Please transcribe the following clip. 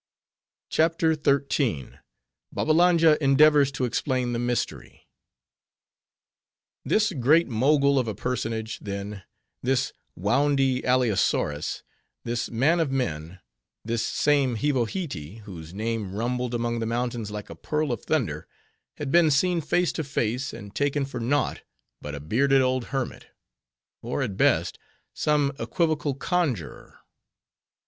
CHAPTER XIII. Babbalanja Endeavors To Explain The Mystery This Great Mogul of a personage, then; this woundy Aliasuerus; this man of men; this same Hivohitee, whose name rumbled among the mountains like a peal of thunder, had been seen face to face, and taken for naught, but a bearded old hermit, or at best, some equivocal conjuror.